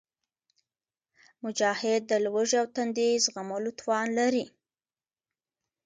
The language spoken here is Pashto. مجاهد د لوږې او تندې زغملو توان لري.